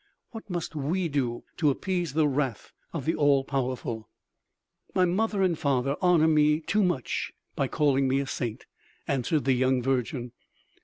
What must we do to appease the wrath of the All Powerful?" "My father and mother honor me too much by calling me a saint," answered the young virgin.